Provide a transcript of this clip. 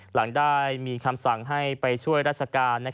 หลังได้มีคำสั่งให้ไปช่วยราชการ